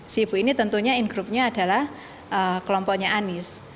si ibu ini tentunya in groupnya adalah kelompoknya anies